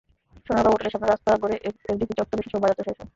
সোনারগাঁও হোটেলের সামনের রাস্তা ঘুরে এফডিসি চত্বরে এসে শোভাযাত্রা শেষ হয়।